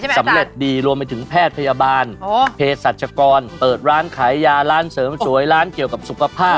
สำเร็จดีรวมไปถึงแพทย์พยาบาลเพศรัชกรเปิดร้านขายยาร้านเสริมสวยร้านเกี่ยวกับสุขภาพ